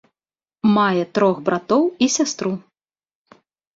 Мае трох братоў і сястру.